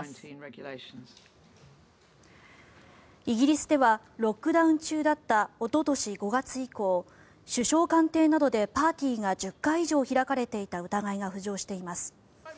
イギリスではロックダウン中だったおととし５月以降首相官邸などでパーティーが１０回以上開かれていた疑いが浮上しています。